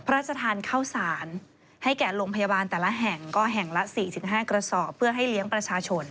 พระราชทานข้าวสารให้แก่โรงพยาบาลแต่ละแห่งก็แห่งละ๔๕กระสอบเพื่อให้เลี้ยงประชาชน